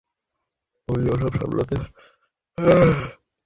তুমি ওসব সামলাতে পারবে?